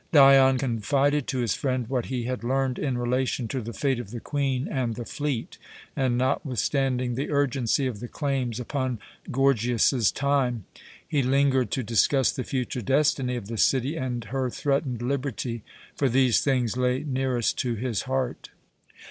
Dion confided to his friend what he had learned in relation to the fate of the Queen and the fleet, and, notwithstanding the urgency of the claims upon Gorgias's time, he lingered to discuss the future destiny of the city and her threatened liberty; for these things lay nearest to his heart.